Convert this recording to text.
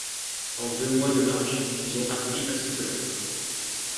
En deux mois de marche, ils ont appris à se connaître.